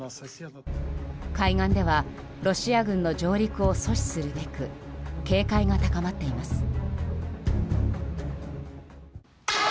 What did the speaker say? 海岸ではロシア軍の上陸を阻止するべく警戒が高まっています。